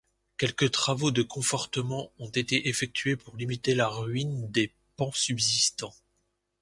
Quelques travaux de confortement ont été effectués pour limiter la ruine des pans subsistants.